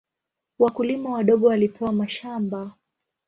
Wakulima wadogo walipewa mashamba.